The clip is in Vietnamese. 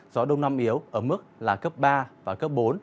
gió đông nam yếu ở mức là cấp ba và cấp bốn